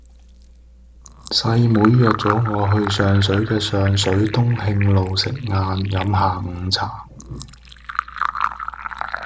細妹約左我去上水嘅上水東慶路食晏飲下午茶